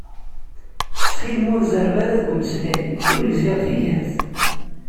Ttxil-m ur zerreb ara deg umeslay, ur gziɣ tigert